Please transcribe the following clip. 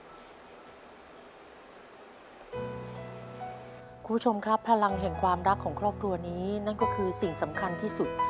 คุณผู้ชมครับพลังแห่งความรักของครอบครัวนี้นั่นก็คือสิ่งสำคัญที่สุด